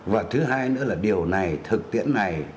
và thứ hai nữa là điều này thực tiễn này